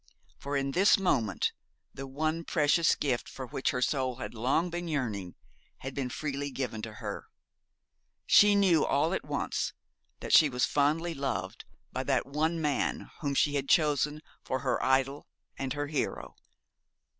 For in this moment the one precious gift for which her soul had long been yearning had been freely given to her. She knew all at once, that she was fondly loved by that one man whom she had chosen for her idol and her hero.